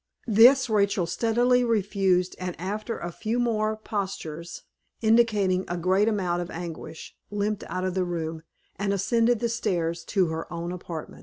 This Rachel steadily refused, and after a few more postures, indicating a great amount of anguish, limped out of the room, and ascended the stairs to her own apartment.